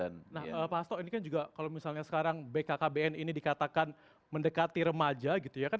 nah pak hasto ini kan juga kalau misalnya sekarang bkkbn ini dikatakan mendekati remaja gitu ya kan